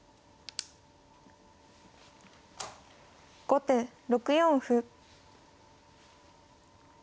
後手６四歩。